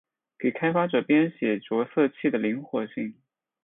给开发者编写着色器的灵活性。